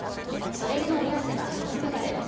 それでも村瀬は銅メダル。